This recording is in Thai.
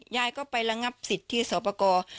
ยายก็ไประงับสิทธิ์ที่สอบประกอบ